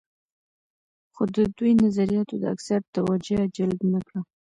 خو د دوی نظریاتو د اکثریت توجه جلب نه کړه.